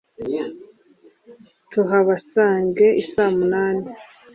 Tuhabasange isamunani